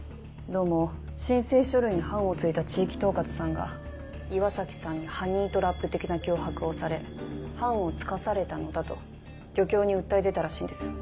どうも申請書類に判をついた地域統括さんが岩崎さんにハニートラップ的な脅迫をされ判をつかされたのだと漁協に訴え出たらしいんです。